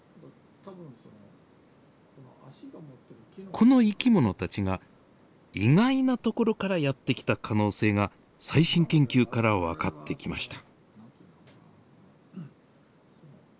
この生き物たちが意外な所からやって来た可能性が最新研究から分かってきました。